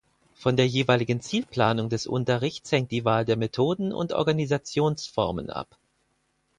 Von der jeweiligen Zielplanung des Unterrichts hängt die Wahl der Methoden und Organisationsformen ab.